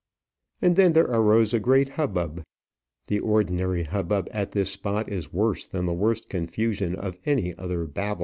And then there arose a great hubbub. The ordinary hubbub at this spot is worse than the worst confusion of any other Babel.